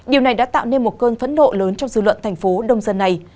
điều này đã tạo nên một cơn phẫn nộ lớn trong dư luận thành phố đông dân này